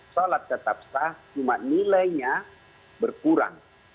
sholat tetap sah cuma nilainya berkurang